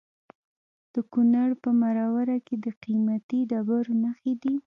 د کونړ په مروره کې د قیمتي ډبرو نښې دي.